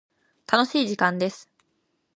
楽しい時間です。